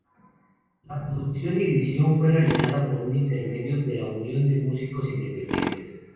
La producción y edición fue realizada por intermedio de la Unión de Músicos Independientes.